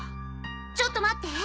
ちょっと待って！